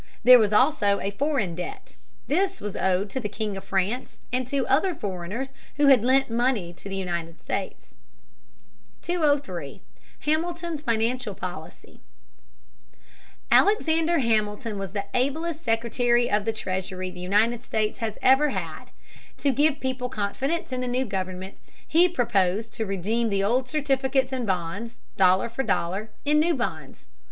There was also a Foreign Debt. This was owed to the King of France and to other foreigners who had lent money to the United States. [Sidenote: Hamilton as a financier.] [Sidenote: His plan.] [Sidenote: Objections to it.] 203. Hamilton's Financial Policy. Alexander Hamilton was the ablest Secretary of the Treasury the United States has ever had. To give people confidence in the new government, he proposed to redeem the old certificates and bonds, dollar for dollar, in new bonds.